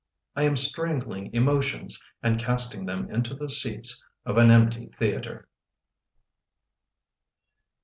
I am strangling emotions And casting them into the seats Of an empty theatre.